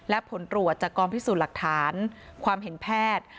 และผลตรวจจากกองพิสูจน์หลักฐานความเห็นแพทย์